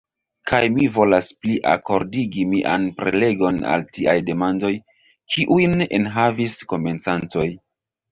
Kaj mi volas pli akordigi mian prelegon al tiaj demandoj, kiujn enhavis komencantoj.